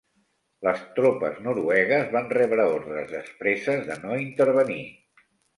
Les tropes noruegues van rebre ordres expresses de no intervenir.